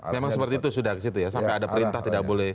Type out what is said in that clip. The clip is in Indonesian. memang seperti itu sudah ke situ ya sampai ada perintah tidak boleh